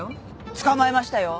捕まえましたよ。